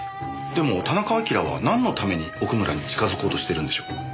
でも田中晶はなんのために奥村に近づこうとしてるんでしょう？